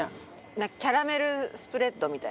キャラメルスプレッドみたいな。